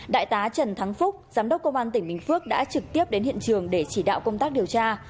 đại tá trần thắng phúc giám đốc công an tỉnh bình phước đã trực tiếp đến hiện trường để chỉ đạo công tác điều tra